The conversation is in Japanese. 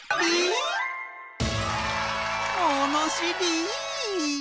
ものしり！